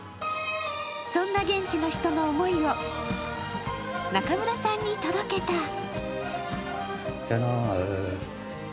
そんな現地の人の思いを、中村さんに届けた。